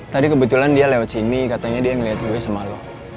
tadi kebetulan dia lewat sini katanya dia ngeliat gue sama lo